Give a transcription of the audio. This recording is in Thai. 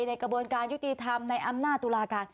ในกระบวนการยุติธรรมในอำนาจตุลาการ